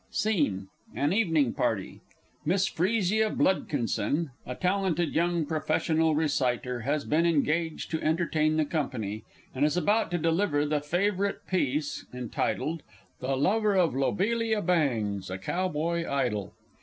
SCENE. An Evening Party; MISS FRESIA BLUDKINSON, _a talented young Professional Reciter, has been engaged to entertain the company, and is about to deliver the favourite piece entitled_, "The Lover of Lobelia Bangs, a Cowboy Idyl."